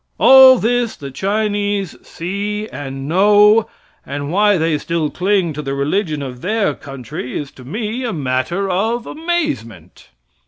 All this the Chinese see and know, and why they still cling to the religion of their country is to me a matter of amazement.